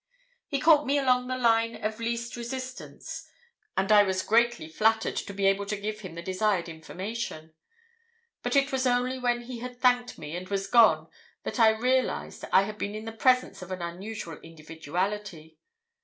"He caught me along the line of least resistance, and I was greatly flattered to be able to give him the desired information; but it was only when he had thanked me and was gone that I realised I had been in the presence of an unusual individuality.